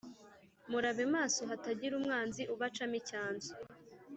Murabe maso hatagira umwanzi ubacamo icyanzu